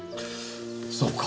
そうか。